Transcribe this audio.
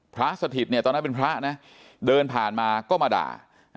พระสถิตย์ตอนนั้นเป็นพระเดินผ่านมาก็มาด่า